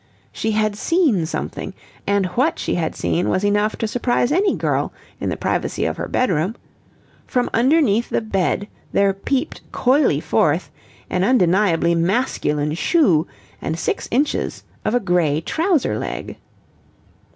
She had seen something, and what she had seen was enough to surprise any girl in the privacy of her bedroom. From underneath the bed there peeped coyly forth an undeniably masculine shoe and six inches of a grey trouser leg.